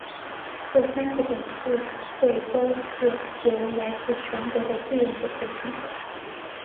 这三个董事会都是由来自全国的志愿者构成的。